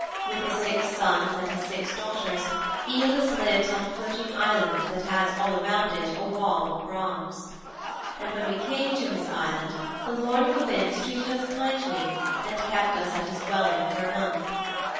With his six sons and his six daughters Æolus lives on a floating island that has all around it a wall of bronze. And when we came to his island, the Lord of the Winds treated us kindly and kept us at his dwelling for a month.